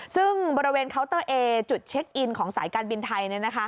ซึ่งบริเวณเคาน์เตอร์เอจุดเช็คอินของสายการบินไทย